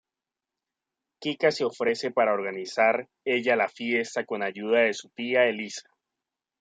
Kika se ofrece para organizar ella la fiesta con ayuda de su tía Elisa.